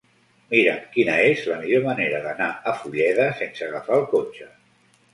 Mira'm quina és la millor manera d'anar a Fulleda sense agafar el cotxe.